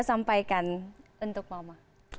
sampaikan untuk mama